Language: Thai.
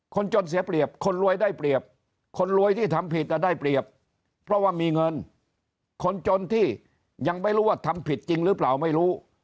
คนจนเสียเปรียบคนรวยได้เปรียบคนรวยที่ทำผิดได้เปรียบเพราะว่ามีเงินคนจนที่ยังไม่รู้ว่าทำผิดจริงหรือเปล่าไม่รู้